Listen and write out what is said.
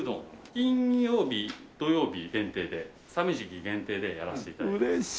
金曜日土曜日限定で寒い時期限定でやらせて頂いてます。